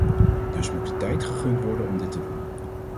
Dus moet de tijd gegund worden om dit te doen.